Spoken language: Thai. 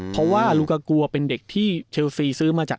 เพราะว่าลูกากัวเป็นเด็กที่เชลซีซื้อมาจาก